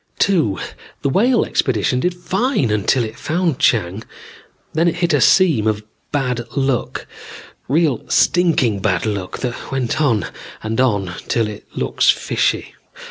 (2) The Whale expedition did fine till it found Chang. Then it hit a seam of bad luck. Real stinking bad luck that went on and on till it looks fishy.